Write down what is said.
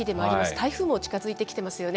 台風も近づいてきてますよね。